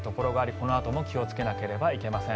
このあとも気をつけなければいけません。